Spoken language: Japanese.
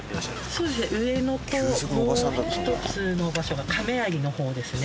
そうですね上野ともう一つの場所が亀有のほうですね。